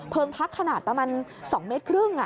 เพิ่มพักขนาดประมาณ๒๕เมตร